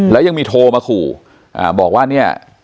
แล้วยังมีโทรมาขู่บอกว่าเนี่ย